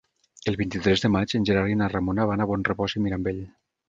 El vint-i-tres de maig en Gerard i na Ramona van a Bonrepòs i Mirambell.